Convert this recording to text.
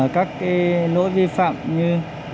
các nỗi vi phạm như